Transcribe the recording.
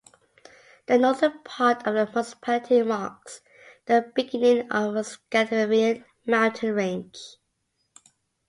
The northern part of the municipality marks the beginning of the Scandinavian mountain range.